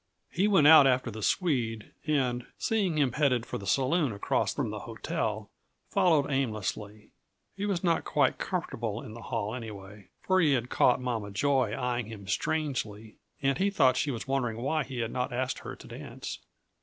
He went out after the Swede, and, seeing him headed for the saloon across from the hotel, followed aimlessly. He was not quite comfortable in the hall, anyway, for he had caught Mama Joy eying him strangely, and he thought she was wondering why he had not asked her to dance.